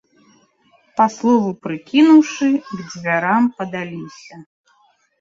Па слову прыкінуўшы, к дзвярам падаліся.